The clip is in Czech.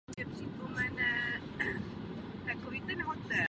Z dřívější doby má ještě dcery Martu a Marii.